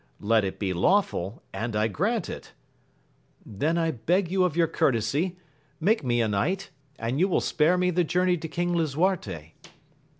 Let it be lawful and I grant it. — Then I beg you of your courtesy make me a knight, and you will spare me the journey to King Lisuarte.